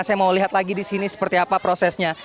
saya mau lihat lagi disini seperti apa prosesnya